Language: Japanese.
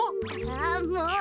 あもう！